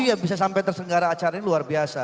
iya bisa sampai terselenggara acara ini luar biasa